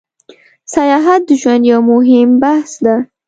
سیاحت د ژوند یو موهیم بحث ده